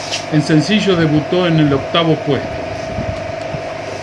En sencillo debutó en el octavo puesto.